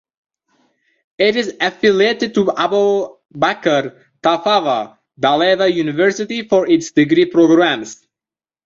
It is affiliated to Abubakar Tafawa Balewa University for its degree programmes.